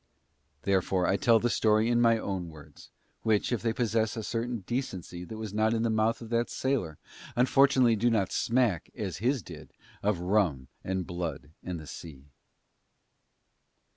Therefore, I tell the story in my own words, which, if they possess a certain decency that was not in the mouth of that sailor, unfortunately do not smack, as his did, of rum and blood and the sea.